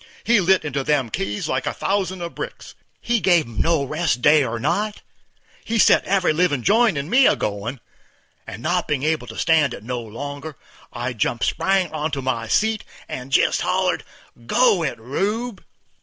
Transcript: He lit into them keys like a thousand of brick; he give 'em no rest day or night; he set every livin' joint in me a goin', and, not bein' able to stand it no longer, I jumped spang onto my seat, and jest hollered, _"Go it, my Rube!"